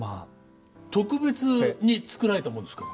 特別に作られたものですか？